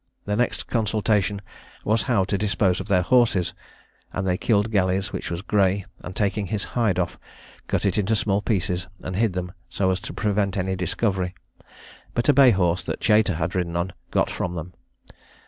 Their next consultation was how to dispose of their horses; and they killed Galley's, which was grey, and taking his hide off, cut it into small pieces, and hid them so as to prevent any discovery; but a bay horse that Chater had ridden on got from them.